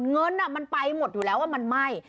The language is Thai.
เงินมันไปหมดอยู่แล้วมันไหม้